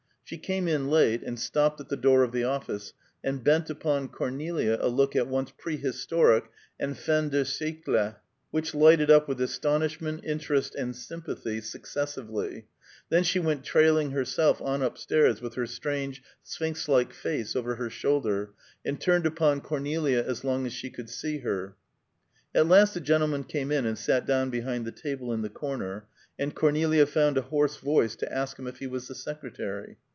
She came in late, and stopped at the door of the office, and bent upon Cornelia a look at once prehistoric and fin de siècle, which lighted up with astonishment, interest and sympathy, successively; then she went trailing herself on up stairs with her strange Sphinx face over her shoulder, and turned upon Cornelia as long as she could see her. At last a gentleman came in and sat down behind the table in the corner, and Cornelia found a hoarse voice to ask him if he was the secretary.